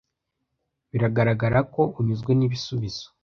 Biragaragara ko anyuzwe n'ibisubizo.